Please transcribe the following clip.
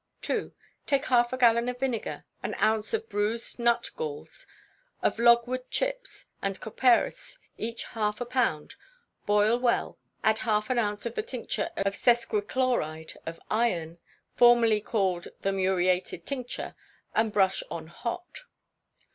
ii. Take half a gallon of vinegar, an ounce of bruised nut galls, of logwood chips and copperas each half a pound boil well; add half an ounce of the tincture of sesquichloride of iron, formerly called the muriated tincture and brush on hot.